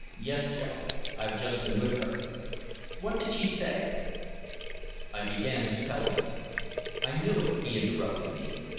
"Yes Joe, I've just been with her." "What did she say?" I began to tell him. "I knew it," he interrupted me.